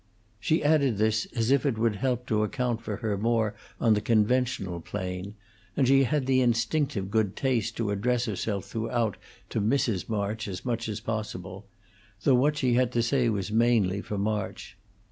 She added this as if it would help to account for her more on the conventional plane, and she had the instinctive good taste to address herself throughout to Mrs. March as much as possible, though what she had to say was mainly for March.